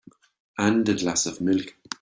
And a glass of milk.